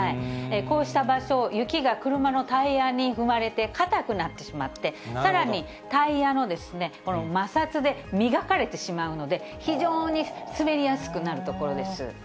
こうした場所、雪が車のタイヤに踏まれて、固くなってしまって、さらにタイヤの摩擦で磨かれてしまうので、非常に滑りやすくなる所です。